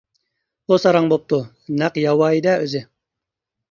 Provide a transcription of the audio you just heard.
ئۇ ساراڭ بوپتۇ، نەق ياۋايى-دە، ئۆزى.